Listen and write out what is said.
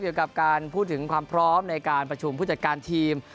อย่าการพูดถึงความพร้อมในประชุมผู้จัดการทีม